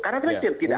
karena itu tidak ada